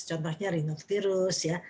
contohnya rhinofirus ya